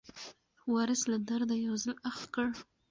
وارث له درده یو ځل اخ کړ.